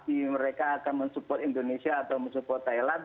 siapa mereka akan support indonesia atau support thailand